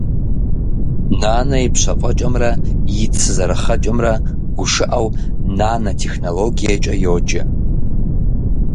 Нанэ и пщафӏэкӏэмрэ и цы зэрыхъэкӏэмрэ гушыӏэу «нанэтехнологиекӏэ» йоджэ.